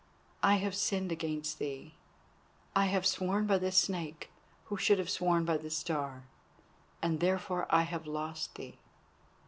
I have sinned against thee, I have sworn by the Snake who should have sworn by the Star, and therefore I have lost thee."